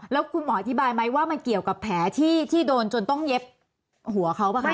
แล้วคุณหมออธิบายไหมว่ามันเกี่ยวกับแผลที่โดนจนต้องเย็บหัวเขาป่ะคะ